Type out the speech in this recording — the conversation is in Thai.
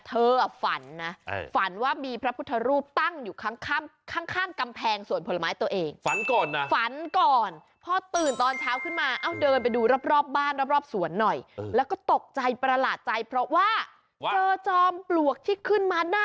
เธอฝันนะฝันว่ามีพระพุทธรูปตั้งอยู่ข้างกำแพงสวนผลไม้ตัวเอง